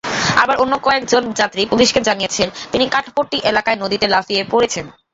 আবার অন্য কয়েকজন যাত্রী পুলিশকে জানিয়েছেন, তিনি কাঠপট্টি এলাকায় নদীতে লাফিয়ে পড়েছেন।